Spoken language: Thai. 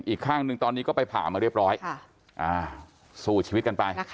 อีกข้างหนึ่งตอนนี้ก็ไปผ่ามาเรียบร้อยสู้ชีวิตกันไป